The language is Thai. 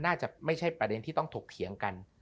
น่าจะไม่ใช่ประเด็นที่ต้องถกเถียงกัน